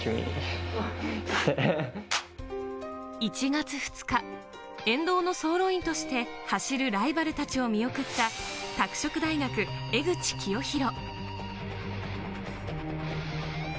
１月２日、沿道の走路員として走るライバルたちを見送った拓殖大学・江口清洋。